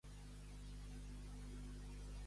Qui és la vicepresidenta d'Espanya?